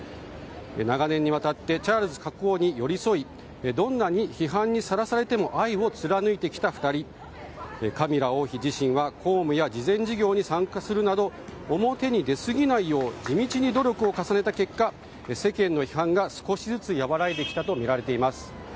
長年にわたってチャールズ国王に寄り添いどんなに批判にさらされても愛を貫いてきた２人カミラ王妃自身は公務や慈善事業に参加するなど表に出すぎないよう地道に努力を重ねた結果世間の批判が少しずつ和らいできたとみられています。